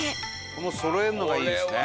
このそろえるのがいいですね。